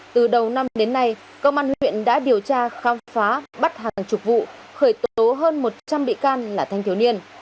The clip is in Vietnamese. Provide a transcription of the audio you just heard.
từ đầu năm đến nay công an huyện đã điều tra khám phá bắt hàng chục vụ khởi tố hơn một trăm linh bị can là thanh thiếu niên